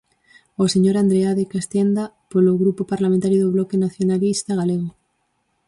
O señor Andreade Castenda, polo Grupo Parlamentario do Bloque Nacionalista Galego.